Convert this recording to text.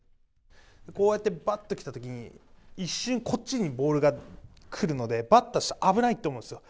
こうやってバッと来たときに一瞬こっちにボールが来るので、バッターとしては、危ないって思うんですよ。